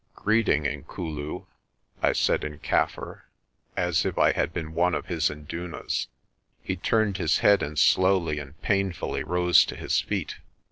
"Greeting, Inkulu! " I said in Kaffir, as if I had been one of his indunas. He turned his head and slowly and painfully rose to his feet.